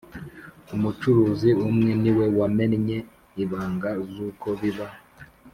Umucuruzi umwe niwe wamennye ibanga zuko biba